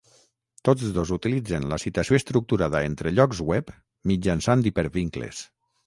Tots dos utilitzen la citació estructurada entre llocs web mitjançant hipervincles.